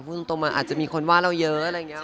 พรุ่งตรงมาอาจจะมีคนว่าเราเยอะ